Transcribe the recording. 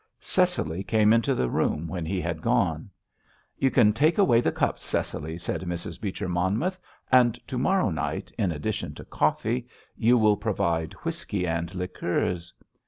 Cecily came into the room when he had gone. "You can take away the cups, Cecily," said Mrs. Beecher Monmouth, "and to morrow night, in addition to coffee, you will provide whisky and liqueurs."